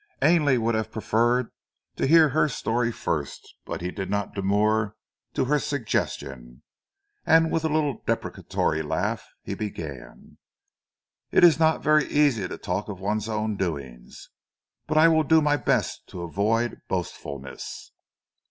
Ainley would have preferred to hear her story first; but he did not demur to her suggestion, and with a little deprecatory laugh he began. "It is not very easy to talk of one's own doings, but I will do my best to avoid boastfulness."